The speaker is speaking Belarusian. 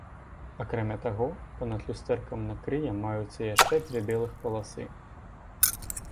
Акрамя таго, па-над люстэркам на крые маюцца яшчэ дзве белых паласы.